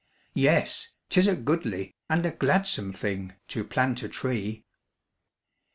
Yes, 'tis a goodly, and a gladsome thing To plant a tree.